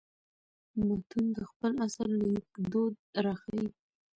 متون د خپل عصر لیکدود راښيي.